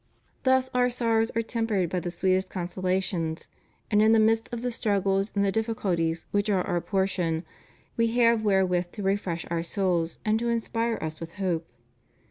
Thus our sorrows are tempered by the sweetest conso lations, and in the midst of the struggles and the difficul ties which are our portion we have wherewith to refresh our souls and to inspire us with hope.